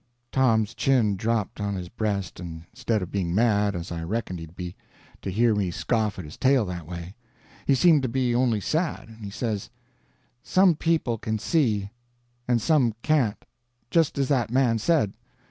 Tom's chin dropped on his breast, and 'stead of being mad, as I reckoned he'd be, to hear me scoff at his tale that way, he seemed to be only sad; and he says: "Some people can see, and some can't—just as that man said.